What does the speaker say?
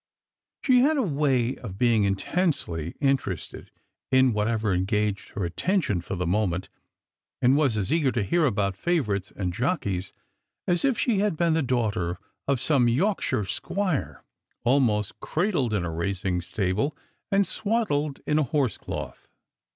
She had a way of being intensely interested in whatever engaged her attention for the moment, and was as eager to hear about favourites and jockeys as if she had been the daughter of some Yorkshire squire, almost cradled in a racing stable, and swaddled in a horse cloth.